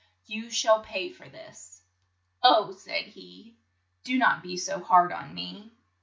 You shall pay for this I " "Oh," said he, "do not be so hard on me.